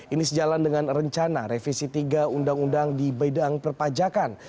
ini sejalan dengan rencana revisi tiga undang undang di bedang perpajakan